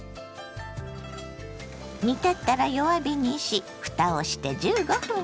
煮立ったら弱火にしふたをして１５分煮ます。